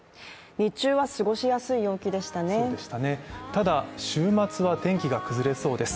ただ週末は天気が崩れそうです。